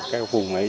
trẻ ở các vùng ấy